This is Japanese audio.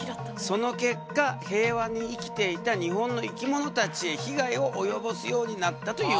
その結果平和に生きていた日本の生き物たちへ被害を及ぼすようになったというわけ。